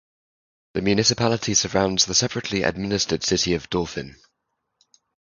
The municipality surrounds the separately administered city of Dauphin.